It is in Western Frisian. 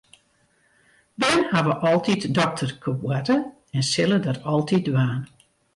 Bern hawwe altyd dokterkeboarte en sille dat altyd dwaan.